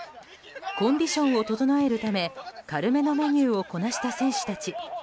コンディションを整えるため軽めのメニューをこなした選手たち。